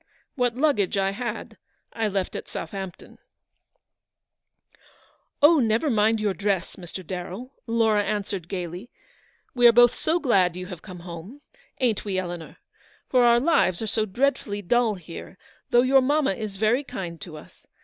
What luggage I had I left at Southampton ."" Oh ! never mind your dress, Mr. Darrell," Laura answered gaily, " we are both so glad you have come home. Ain't we, Eleanor? for our lives are so dreadfully dull here, though your mamma is very kind to us.